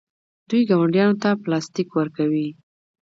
دوی ګاونډیانو ته پلاستیک ورکوي.